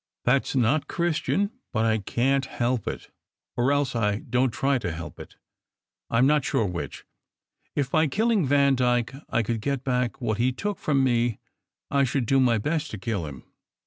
That s not Christian, but I can t help it, or else I don t try to help it; I m not sure which. If by killing Vandyke I could get back what he took from me, I should do my best to kill him.